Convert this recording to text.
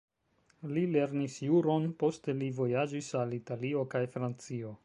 Li lernis juron, poste li vojaĝis al Italio kaj Francio.